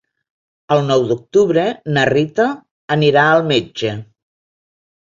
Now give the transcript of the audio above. El nou d'octubre na Rita anirà al metge.